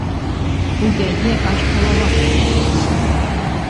У яе аж галава закруцілася.